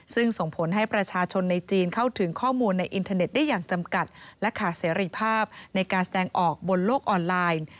ซึ่งส่งผลให้ประชาชนในจีนเข้าถึงข้อมูลในอินเทอร์เน็ตได้อย่างจำกัดและขาดเสรีภาพในการแสดงออกบนโลกออนไลน์